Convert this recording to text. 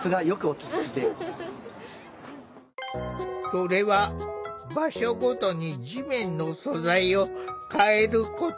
それは場所ごとに地面の素材を変えること。